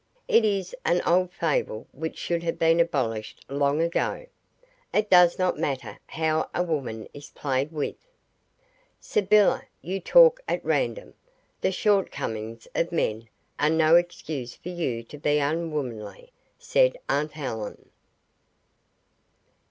It is an old fable which should have been abolished long ago. It does not matter how a woman is played with." "Sybylla, you talk at random. The shortcomings of men are no excuse for you to be unwomanly," said aunt Helen.